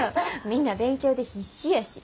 みんな勉強で必死やし。